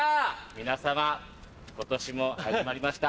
皆さま今年も始まりました。